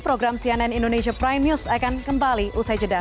program cnn indonesia prime news akan kembali usai jeda